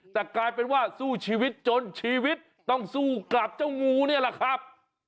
แต่กลายเป็นว่าสู้ชีวิตจนชีวิตต้องสู้กับเจ้างูนี่แหละครับ